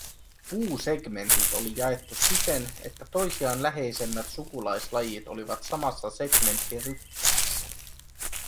Puusegmentit oli jaettu siten, että toisiaan läheisemmät sukulaislajit olivat samassa segmenttiryppäässä.